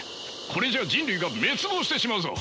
これじゃあ人類が滅亡してしまうぞ。